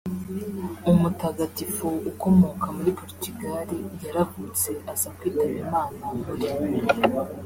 umutagatifu ukomoka muri Portugal yaravutse aza kwitaba Imana muri